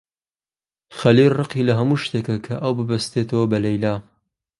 خەلیل ڕقی لە هەموو شتێکە کە ئەو ببەستێتەوە بە لەیلا.